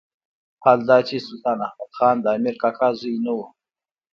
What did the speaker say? حال دا چې سلطان احمد خان د امیر کاکا زوی نه وو.